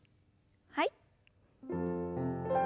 はい。